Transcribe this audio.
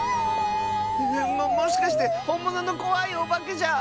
ももしかしてほんもののこわいおばけじゃ。